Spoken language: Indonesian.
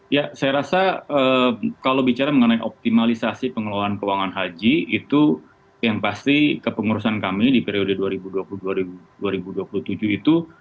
iya saya rasa kalau bicara mengenai optimalisasi pengelolaan keuangan haji itu yang pasti ke pengurusan kami di periode dua ribu dua puluh dua ribu dua puluh tujuh itu